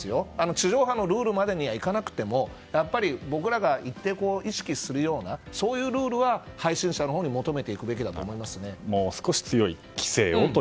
地上波のルールまではいかなくてもやっぱり、僕らが意識するようなそういうルールは配信者のほうにもう少し強い規制をと。